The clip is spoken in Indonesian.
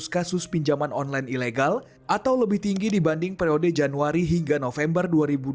enam ribu tujuh ratus kasus pinjaman online ilegal atau lebih tinggi dibanding periode januari hingga november